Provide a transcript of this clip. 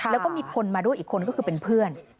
แล้วก็มีคนมาด้วยอีกคนก็คือเป็นเพื่อน